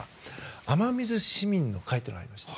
雨水市民の会というのがありました。